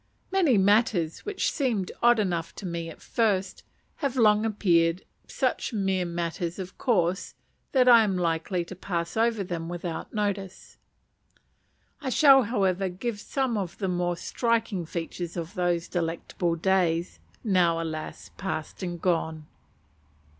Many matters which seemed odd enough to me at first, have long appeared such mere matters of course, that I am likely to pass them over without notice. I shall, however, give some of the more striking features of those delectable days, now, alas! passed and gone.